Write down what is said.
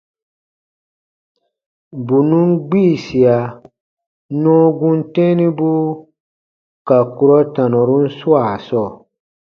Bù nùn gbiisia nɔɔ gum tɛ̃ɛnibu ka kurɔ tanɔrun swaa sɔɔ.